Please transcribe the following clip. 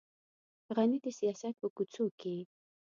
غني د سیاست په کوڅو کې.